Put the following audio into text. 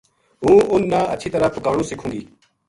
ہوں اُنھ نا ہچھی طرح پکانو سِکھوں گی